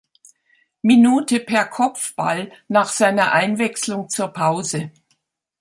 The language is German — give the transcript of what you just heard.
Minute per Kopfball nach seiner Einwechslung zur Pause.